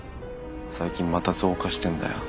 最近また増加してんだよ。